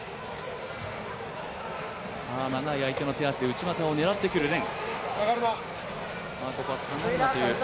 長い相手の手足で内股を狙ってくる連。